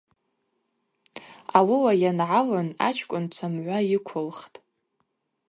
Ауыла йангӏалын агӏвычкӏвынчва мгӏва йыквылхтӏ.